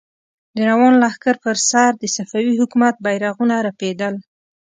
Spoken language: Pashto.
د روان لښکر پر سر د صفوي حکومت بيرغونه رپېدل.